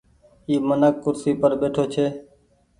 اي منک ڪرسي پر ٻيٺو ڇي۔